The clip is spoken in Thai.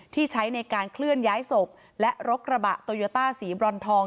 ที่ใช้ในการเคลื่อนย้ายศพและรถกระบะโตโยต้าสีบรอนทอง